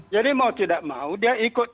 jadi mau tidak mau dia ikut